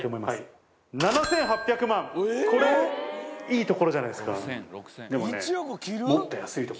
いいところじゃないですか？